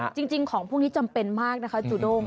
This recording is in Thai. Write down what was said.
จริงของพวกนี้จำเป็นมากนะคะจูด้ง